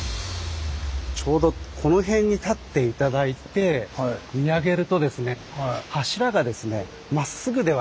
ちょうどこの辺に立って頂いて見上げるとですねええ。